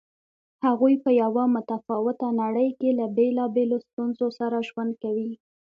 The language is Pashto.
هغوی په یوه متفاوته نړۍ کې له بېلابېلو ستونزو سره ژوند کوي.